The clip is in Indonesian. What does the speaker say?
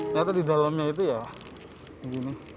ternyata di dalamnya itu ya begini